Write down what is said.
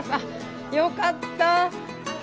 よかった。